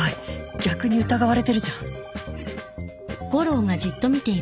逆に疑われてるじゃん